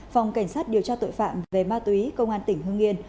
phòng cảnh sát điều tra tội phạm về ma túy công an tỉnh hương yên